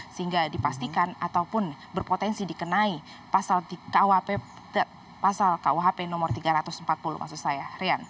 sehingga dipastikan ataupun berpotensi dikenai pasal kuhp nomor tiga ratus empat puluh maksud saya